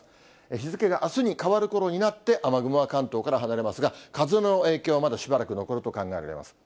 日付があすに変わるころになって、雨雲は関東から離れますが、風の影響はまだしばらく残ると考えられます。